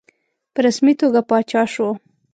په رسمي توګه پاچا شو.